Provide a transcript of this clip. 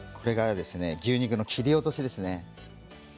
牛肉の切り落としですね。